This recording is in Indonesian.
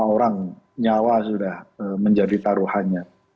satu ratus dua puluh lima orang nyawa sudah menjadi taruhannya